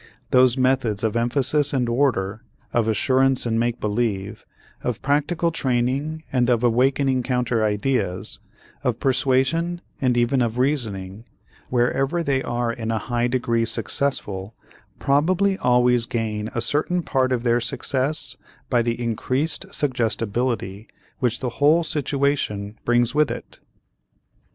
Those methods of emphasis and order, of assurance and make believe, of practical training and of awakening counter ideas, of persuasion and even of reasoning, wherever they are in a high degree successful probably always gain a certain part of their success by the increased suggestibility which the whole situation brings with it.